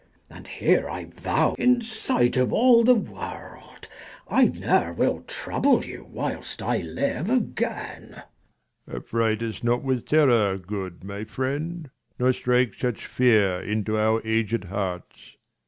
And here I vow in sight of all the world, I ne'er will trouble you whilst I live again. Lelr. Affright us not with terror, good my friend, 115 Nor strike such fear into our aged hearts.